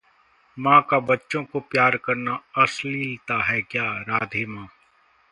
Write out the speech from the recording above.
मां का बच्चों को प्यार करना अश्लीलता है क्या: राधे मां